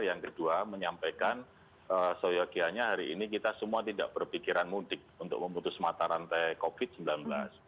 yang kedua menyampaikan soyokianya hari ini kita semua tidak berpikiran mudik untuk memutus mata rantai covid sembilan belas